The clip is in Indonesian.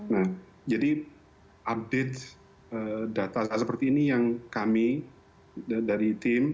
nah jadi update data seperti ini yang kami dari tim